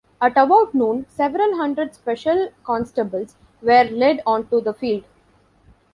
At about noon, several hundred special constables were led onto the field.